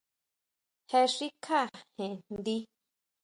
Jé xikjá jen njdi.